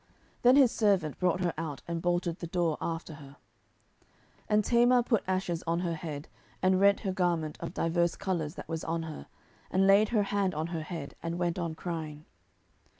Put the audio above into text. Then his servant brought her out, and bolted the door after her. 10:013:019 And Tamar put ashes on her head, and rent her garment of divers colours that was on her, and laid her hand on her head, and went on crying.